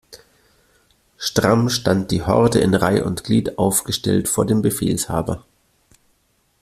Stramm stand die Horde in Reih' und Glied aufgestellt vor dem Befehlshaber.